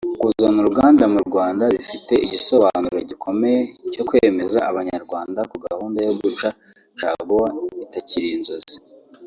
Kuzana uruganda mu Rwanda bifite igisobanuro gikomeye cyo kwemeza abanyarwanda ko gahunda yo guca caguwa itakiri inzozi